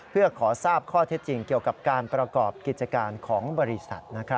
เพื่อขอทราบข้อเท็จจริงเกี่ยวกับการประกอบกิจการของบริษัท